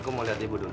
aku mau liat ibu dulu